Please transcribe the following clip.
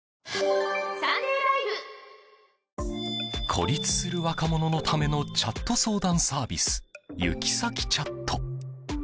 孤立する若者のためのチャット相談サービスユキサキチャット。